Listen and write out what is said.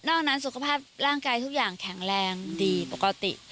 นั้นสุขภาพร่างกายทุกอย่างแข็งแรงดีปกติ